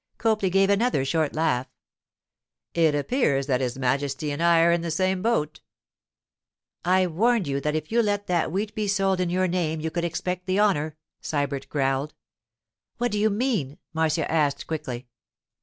Copley gave another short laugh. 'It appears that his Majesty and I are in the same boat.' 'I warned you that if you let that wheat be sold in your name you could expect the honour,' Sybert growled. 'What do you mean?' Marcia asked quickly.